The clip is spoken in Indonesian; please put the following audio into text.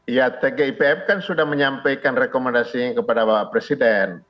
ya tgipf kan sudah menyampaikan rekomendasinya kepada bapak presiden